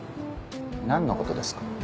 何のことですか？